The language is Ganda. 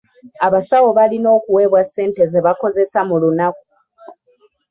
Abasawo balina okuweebwa ssente ze bakozesa mu lunaku.